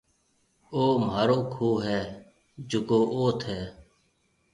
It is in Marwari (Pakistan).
او مهارو کُوه هيَ جڪو اوٿ هيَ۔